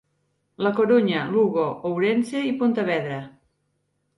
La Corunya, Lugo, Ourense i Pontevedra.